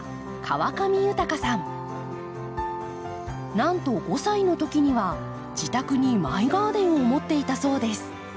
なんと５歳のときには自宅にマイガーデンを持っていたそうです。